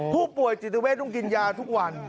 ผู้ป่วยจิตเวทต้องกินยาทุกวัน